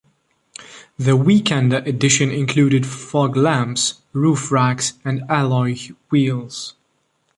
The Weekender edition included fog lamps, roof racks and alloy wheels.